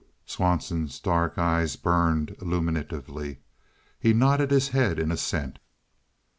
Swanson's dark eyes burned illuminatively. He nodded his head in assent.